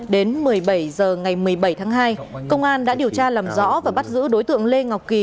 đến một mươi bảy h ngày một mươi bảy tháng hai công an đã điều tra làm rõ và bắt giữ đối tượng lê ngọc kỳ